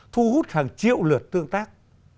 thu hút hàng triệu lượt tương tác